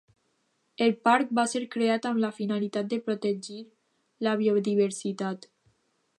El parc va ser creat amb la finalitat de protegir la biodiversitat.